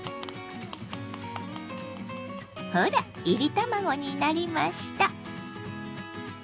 ほらいり卵になりました。